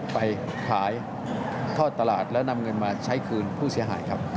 ไปขายทอดตลาดแล้วนำเงินมาใช้คืนผู้เสียหายครับ